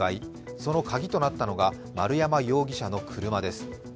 その鍵となったのが丸山容疑者の車です。